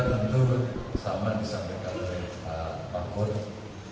dulu sama disampaikan oleh pak pakun